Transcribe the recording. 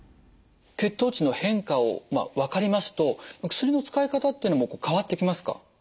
血糖値の変化をまあ分かりますと薬の使い方っていうのもこう変わってきますか？